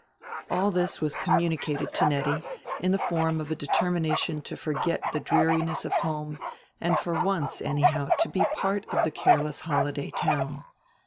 All this was communicated to Nettie in the form of a determination to forget the dreariness of home and for once anyhow be a part of the careless holiday town.